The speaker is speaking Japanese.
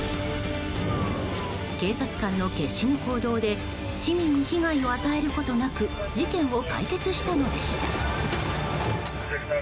警察官の決死の行動で市民に被害を与えることなく事件を解決したのでした。